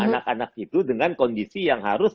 anak anak itu dengan kondisi yang harus